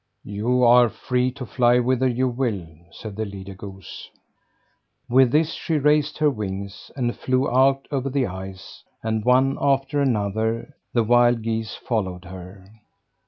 "You are free to fly whither you will," said the leader goose. With this, she raised her wings and flew out over the ice and one after another the wild geese followed her.